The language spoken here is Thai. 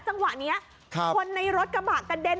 จังหวะนี้คนในรถกระบะกระเด็น